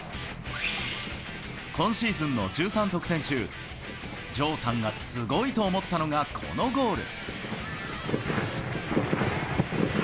今シーズンの１３得点中、城さんがすごいと思ったのが、このゴール。